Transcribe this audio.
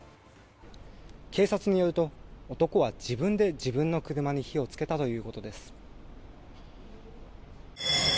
警察によると男は自分で自分の車に火を付けたということです。